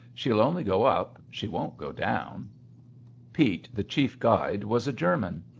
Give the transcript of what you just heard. "She'll only go up she won't go down." Pete, the chief guide, was a German.